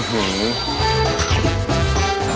หื้ม